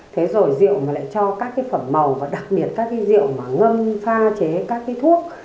thế rồi rượu mà lại cho các cái phẩm màu và đặc biệt các cái rượu mà ngâm pha chế các cái thuốc